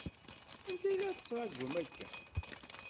Anta i la tettṛaǧum akka?